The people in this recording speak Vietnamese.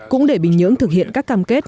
cũng để bình nhưỡng thực hiện các cam kết